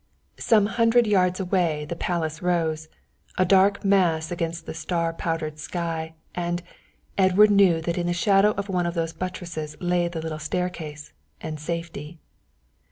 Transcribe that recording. Some hundred yards away the Palace rose, a dark mass against the star powdered sky, and Edward knew that in the shadow of one of those buttresses lay the little staircase and safety.